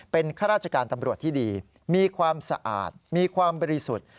เป็นข้าราชการตำรวจที่ดีมีความสะอาดมีความบริสุทธิ์